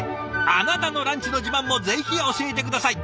あなたのランチの自慢もぜひ教えて下さい。